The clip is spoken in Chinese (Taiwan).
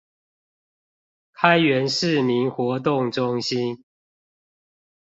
開元市民活動中心